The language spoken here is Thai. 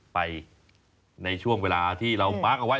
ในช่วงเวลาที่เรามาร์คเอาไว้